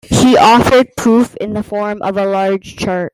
He offered proof in the form of a large chart.